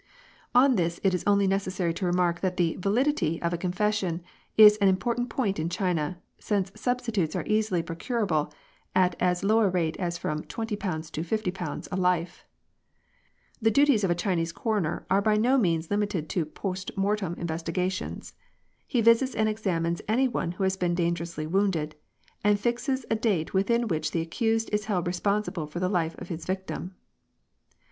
On this it is only necessary to remark that the *' validity " of a confession is an important point in China, since substitutes are easily procurable at as low a rate as from £20 to £50 a life. The duties of a Chinese coroner are by no means limited to "post mortem investigations ; he visits and examines any one who has been dangerously wounded, and fixes a date within which the accused is held responsible for the life of his victim.